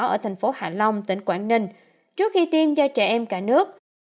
ở thành phố hạ long tỉnh quảng ninh trước khi tiêm cho trẻ em cả nước